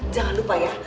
jangan lupa ya